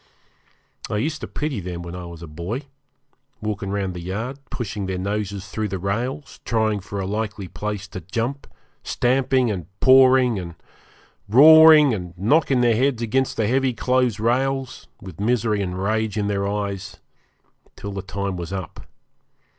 I used to pity them when I was a boy, walking round the yard, pushing their noses through the rails, trying for a likely place to jump, stamping and pawing and roaring and knocking their heads against the heavy close rails, with misery and rage in their eyes, till their time was up.